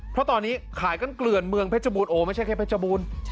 เพราะตอนนี้ขายกันเกลือนเมืองเพชรบูรโอ้ไม่ใช่แค่เพชรบูรณ์